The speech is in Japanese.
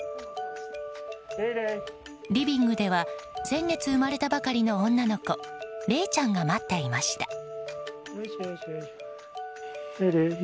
リビングでは先月生まれたばかりの女の子れいちゃんが待っていました。